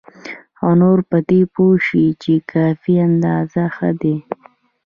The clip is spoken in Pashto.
او نور په دې پوه شي چې کافي اندازه ښه دي.